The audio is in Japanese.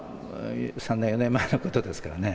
３年、４年前のことですからね。